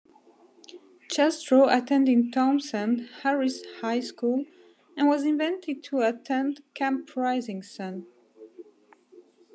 Jastrow attended Townsend Harris High School and was invited to attend Camp Rising Sun.